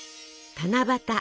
七夕。